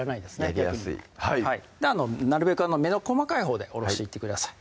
やりやすいなるべく目の細かいほうでおろしていってください